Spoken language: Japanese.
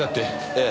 ええ。